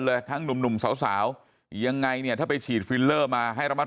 เลยทั้งหนุ่มสาวยังไงเนี่ยถ้าไปฉีดฟิลเลอร์มาให้เรารับ